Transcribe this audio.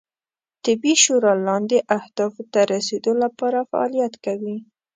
طبي شورا لاندې اهدافو ته رسیدو لپاره فعالیت کوي